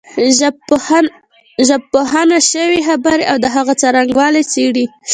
ژبپوهنه شوې خبرې او د هغوی څرنګوالی څېړي